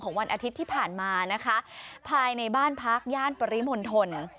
วันอาทิตย์ที่ผ่านมานะคะภายในบ้านพักย่านปริมณฑล